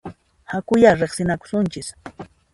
Hakuyá riqsinakusunchis!